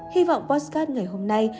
hy vọng podcast ngày hôm nay